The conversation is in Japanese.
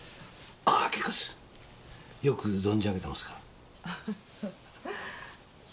あぁ結構です。よく存じ上げてますから。